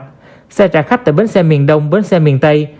phương thức thứ hai xe trả khách tại bến xe miền đông bến xe miền tây